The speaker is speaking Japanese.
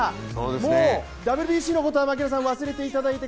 もうＷＢＣのことは忘れていただいて